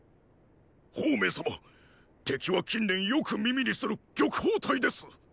鳳明様敵は近年よく耳にする玉鳳隊です。